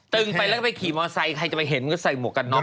ึงไปแล้วก็ไปขี่มอไซค์ใครจะไปเห็นก็ใส่หมวกกันน็อ